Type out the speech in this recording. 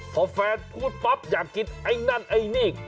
พอแฟนพูดปั๊บอยากกินไอ้นั่นไอ้นี่